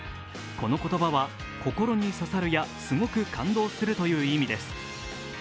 この言葉は「心に刺さる」や「すごく感動する」という意味です。